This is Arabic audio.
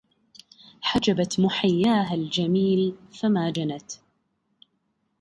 حجبت محياها الجميل فما جنت